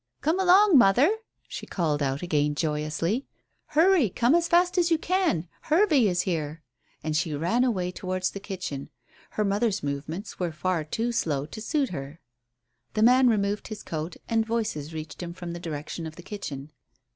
Come along, mother," she called out again joyously. "Hurry; come as fast as you can; Hervey is here." And she ran away towards the kitchen. Her mother's movements were far too slow to suit her. The man removed his coat, and voices reached him from the direction of the kitchen.